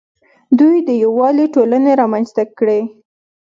دوی د یووالي ټولنې رامنځته کړې